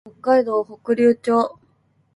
北海道北竜町